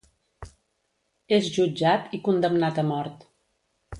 És jutjat i condemnat a mort.